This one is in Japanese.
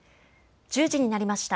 １０時になりました。